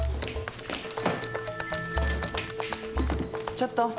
ちょっと。